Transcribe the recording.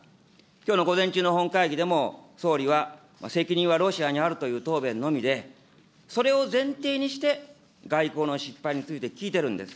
きょうの午前中の本会議でも、総理は責任はロシアにあるという答弁のみで、それを前提にして、外交の失敗について聞いてるんです。